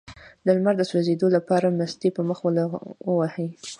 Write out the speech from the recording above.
د لمر د سوځیدو لپاره مستې په مخ ووهئ